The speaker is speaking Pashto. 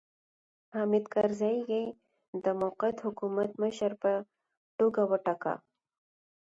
حامد کرزی یې د موقت حکومت مشر په توګه وټاکه.